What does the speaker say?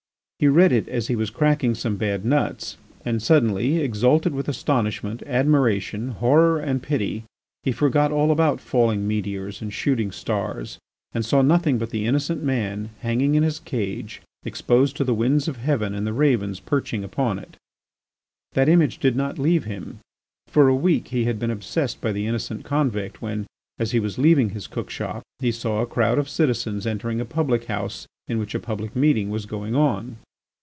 He read it as he was cracking some bad nuts and suddenly, exalted with astonishment, admiration, horror, and pity, he forgot all about falling meteors and shooting stars and saw nothing but the innocent man hanging in his cage exposed to the winds of heaven and the ravens perching upon it. That image did not leave him. For a week he had been obsessed by the innocent convict, when, as he was leaving his cook shop, he saw a crowd of citizens entering a public house in which a public meeting was going on.